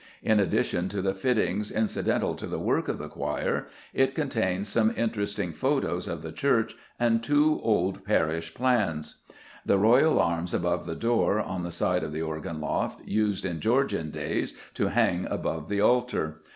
In addition to the fittings incidental to the work of the choir, it contains some interesting photos of the church and two old parish plans. The royal arms above the door, on the side of the organ loft, used, in Georgian days, to hang above the altar.